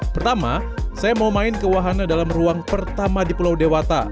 pertama saya mau main ke wahana dalam ruang pertama di pulau dewata